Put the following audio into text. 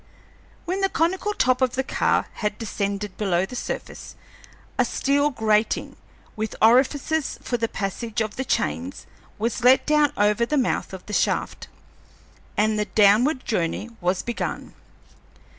When the conical top of the car had descended below the surface, a steel grating, with orifices for the passage of the chains, was let down over the mouth of the shaft, and the downward journey was begun.